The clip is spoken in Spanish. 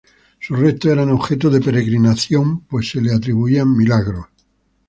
Sus restos eran objeto de peregrinación pues se le atribuían milagros.